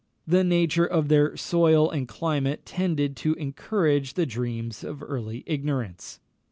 The nature of their soil and climate tended to encourage the dreams of early ignorance.